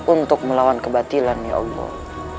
untuk melawan kebatilan ya allah